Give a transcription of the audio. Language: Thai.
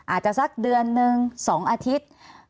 อาจจะสักเดือนนึง๒อาทิตย์